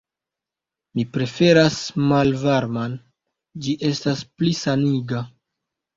Mi preferas malvarman; ĝi estas pli saniga.